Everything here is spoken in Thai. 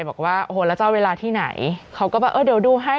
บอกว่าโอ้โหแล้วจะเอาเวลาที่ไหนเขาก็บอกเออเดี๋ยวดูให้